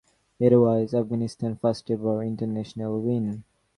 It was Afghanistan first ever international win.